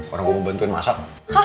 orang mau bantuin masak